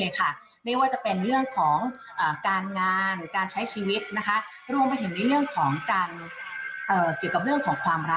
ที่ก็มีปัญหาลายทีคนไหวค่ะ